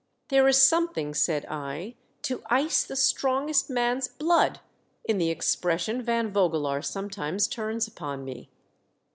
"There is something," said I, "to ice the strongest man's blood in the expression Van Vogelaar sometimes turns upon me.